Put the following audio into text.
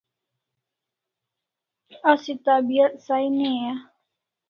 Asi tabiat sahi ne a?